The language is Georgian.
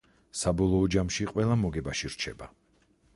საბოლოო ჯამში ყველა მოგებაში რჩება.